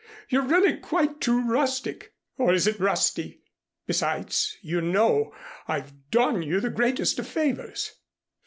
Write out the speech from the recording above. You're really quite too rustic, or is it rusty? Besides, you know, I've done you the greatest of favors."